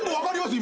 今。